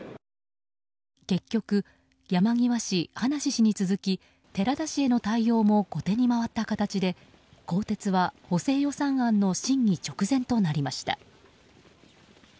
結局、山際氏、葉梨氏に続き寺田氏への対応も後手に回った形で更迭は、補正予算案の審議直前となりました。